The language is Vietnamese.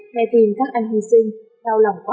nghe tin các anh hy sinh đau lòng quá